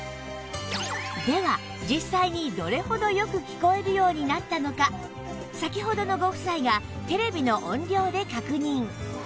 では実際にどれほどよく聞こえるようになったのか先ほどのご夫妻がテレビの音量で確認